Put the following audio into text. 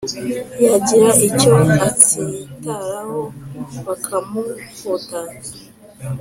yagira icyo atsitaraho, bakamuhutaza